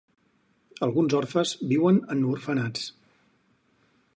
Alguns orfes viuen en orfenats.